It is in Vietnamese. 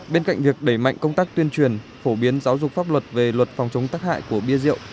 bên cạnh việc đẩy mạnh công tác tuyên truyền phổ biến giáo dục pháp luật về luật phòng chống tắc hại của bia rượu